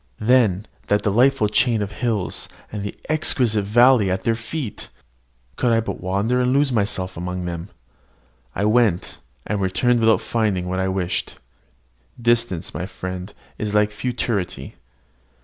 Then, that delightful chain of hills, and the exquisite valleys at their feet! Could I but wander and lose myself amongst them! I went, and returned without finding what I wished. Distance, my friend, is like futurity.